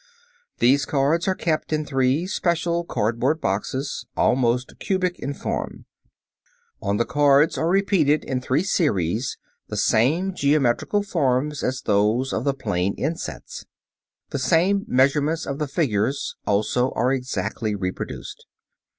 These cards are kept in three special cardboard boxes, almost cubic in form. (Fig. 25.) On the cards are repeated, in three series, the same geometrical forms as those of the plane insets. The same measurements of the figures also are exactly reproduced.